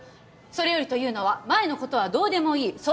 「それより」というのは「前のことはどうでもいい」